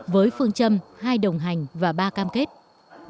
với phương châm hai đồng hành và ba cơ quan chức năng